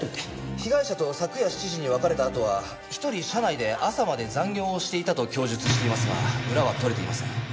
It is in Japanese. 被害者と昨夜７時に別れたあとは１人社内で朝まで残業をしていたと供述していますが裏は取れていません。